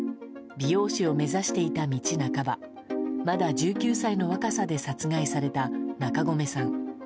美容師を目指していた道半ばまだ１９歳の若さで殺害された中込さん。